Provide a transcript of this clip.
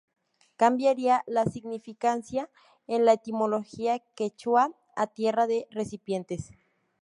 Cambiaria la significancia en la etimología quechua a "Tierra de recipientes".